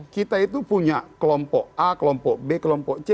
kita itu punya kelompok a kelompok b kelompok c